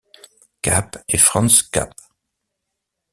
Cap et Franz Cap.